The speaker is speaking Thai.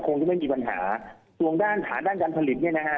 คงจะไม่มีปัญหาส่วนด้านฐานด้านการผลิตเนี่ยนะฮะ